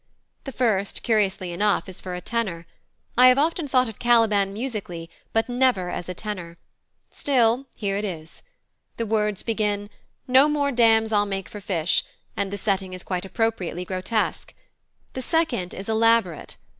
The first, curiously enough, is for a tenor: I have often thought of Caliban musically, but never as a tenor; still, here it is. The words begin, "No more dams I'll make for fish," and the setting is quite appropriately grotesque. The second is elaborate.